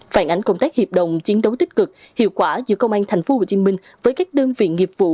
phản ánh công tác hiệp đồng chiến đấu tích cực hiệu quả giữa công an tp hcm với các đơn vị nghiệp vụ